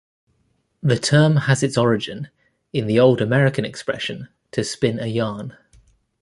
The term has its origin in the old American expression "to spin a yarn".